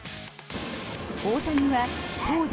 大谷は投打